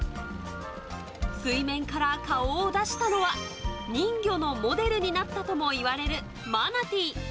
水面から顔を出したのは、人魚のモデルになったともいわれるマナティ。